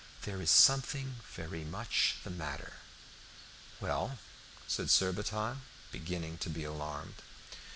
"There is something very much the matter." "Well?" said Surbiton, beginning to be alarmed.